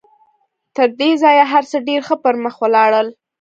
تر دې ځایه هر څه ډېر ښه پر مخ ولاړل